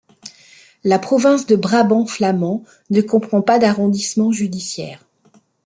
La Province de Brabant Flamand ne comprend pas d'arrondissement judiciaire.